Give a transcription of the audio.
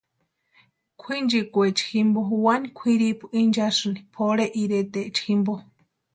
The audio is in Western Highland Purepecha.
Kwʼinchikwaecha jimpo wani kwʼiripu inchasïni pʼorhe iretaecha jimpo.